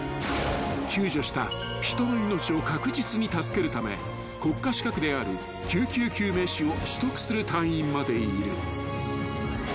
［救助した人の命を確実に助けるため国家資格である救急救命士を取得する隊員までいる］